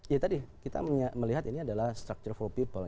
ya tadi kita melihat ini adalah structure flow people